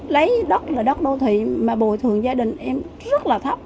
lấy đất là đất đô thị mà bồi thường gia đình em rất là thấp